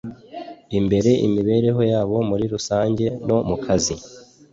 imbere imibereho yabo muri rusange no mu kazi